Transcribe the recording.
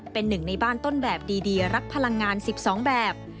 เป็นหนึ่งในบ้านต้นแบบดีรักพลังงาน๑๒แบบ